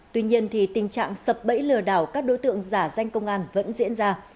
tình trạng sập bẫy lừa đảo các đối tượng giả danh công an vẫn diễn ra